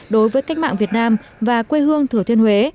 đối với cách mạng việt nam và quê hương thừa thiên huế